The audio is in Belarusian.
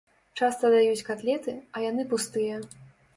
Часта даюць катлеты, а яны пустыя.